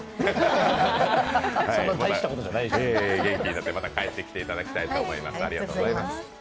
元気になって、また帰ってきていただきたいと思います。